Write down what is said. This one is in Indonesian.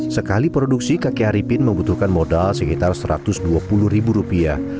sekali produksi kakek haripin membutuhkan modal sekitar satu ratus dua puluh ribu rupiah